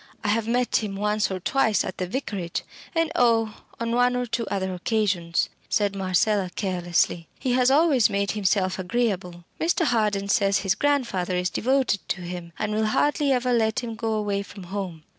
I have met him once or twice at the Vicarage and oh! on one or two other occasions," said Marcella, carelessly. "He has always made himself agreeable. Mr. Harden says his grandfather is devoted to him, and will hardly ever let him go away from home.